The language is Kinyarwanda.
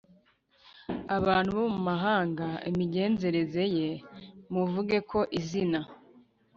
abantu bo mu mahanga imigenzereze ye w Muvuge ko izina